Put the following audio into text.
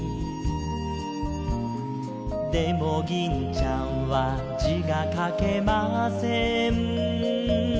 「でも銀ちゃんは字が書けません」